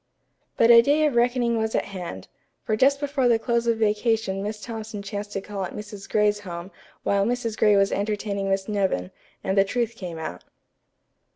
But a day of reckoning was at hand, for just before the close of vacation Miss Thompson chanced to call at Mrs. Gray's home while Mrs. Gray was entertaining Miss Nevin, and the truth came out.